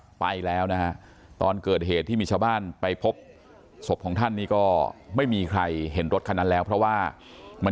ไม่ออกไปแล้วนะถ้าเกิดเหตุที่มีชาวบ้านตรงนั้นไปพบ